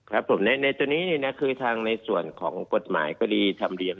ครับผมในส่วนของกฎหมายกดีธรรมเนียม